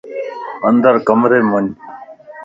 اندر ڪمريءَ مَ وڃ